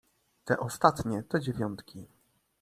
"Te ostatnie to dziewiątki."